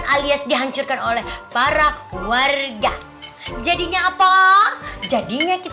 tapi oh tracking statement aja saya juga tidak knit